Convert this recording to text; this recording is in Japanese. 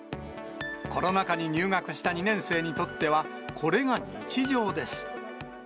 コロナ禍に入学した２年生にとっては、これが日常です。